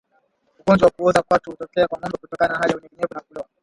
Ugonjwa wa kuoza kwato hutokea kwa ngombe kutokana na hali ya unyevunyevu na kuloa